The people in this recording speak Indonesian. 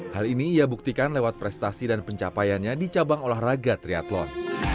hal ini ia buktikan lewat prestasi dan pencapaiannya di cabang olahraga triathlon